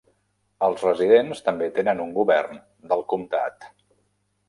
Els residents també tenen un govern del comtat.